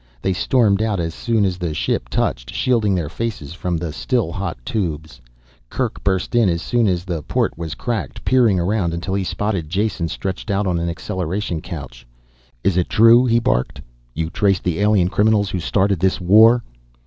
They stormed out as soon as the ship touched, shielding their faces from the still hot tubes. Kerk burst in as soon as the port was cracked, peering around until he spotted Jason stretched out on an acceleration couch. "Is it true?" he barked. "You've traced the alien criminals who started this war?"